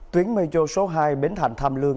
tuyến metro số hai bến thành tham lương